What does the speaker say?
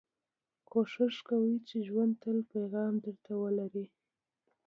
کوښښ کوئ، چي ژوند تل پیغام در ته ولري.